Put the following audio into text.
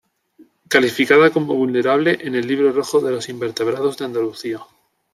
Calificada como vulnerable en el Libro Rojo de los Invertebrados de Andalucía.